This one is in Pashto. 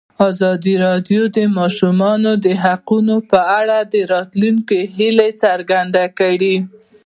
ازادي راډیو د د ماشومانو حقونه په اړه د راتلونکي هیلې څرګندې کړې.